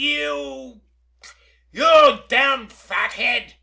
"You you damned fathead!"